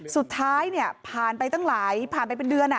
สุดท้ายเนี่ยผ่านไปตั้งหลายผ่านไปเป็นเดือน